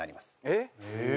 えっ！